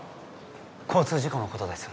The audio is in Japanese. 交通事故のことです